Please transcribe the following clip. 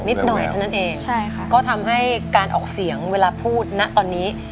หน่อยเท่านั้นเองใช่ค่ะก็ทำให้การออกเสียงเวลาพูดนะตอนนี้